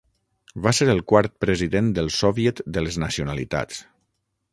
Va ser el quart President del Soviet de les Nacionalitats.